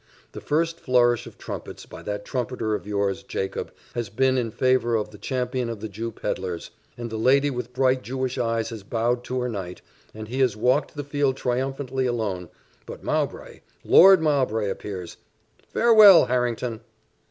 The first flourish of trumpets, by that trumpeter of yours, Jacob, has been in favour of the champion of the Jew pedlars; and the lady with bright Jewish eyes has bowed to her knight, and he has walked the field triumphantly alone; but Mowbray Lord Mowbray appears! Farewell, Harrington!"